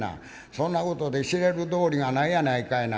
そんなことで知れる道理がないやないかいな。